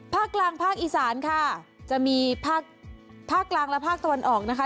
ภาคกลางภาคอีสานค่ะจะมีภาคภาคกลางและภาคตะวันออกนะคะ